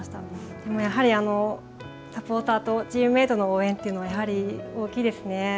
でも、やはりサポーターとチームメートの応援というのはやはり大きいですね。